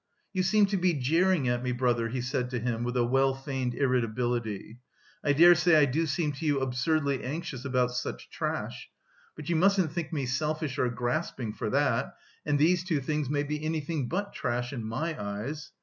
"You seem to be jeering at me, brother?" he said to him, with a well feigned irritability. "I dare say I do seem to you absurdly anxious about such trash; but you mustn't think me selfish or grasping for that, and these two things may be anything but trash in my eyes.